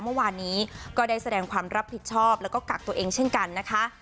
เมื่อวานนี้ก็ได้แสดงความรับผิดชอบแล้วก็กักตัวเองเช่นกันนะคะ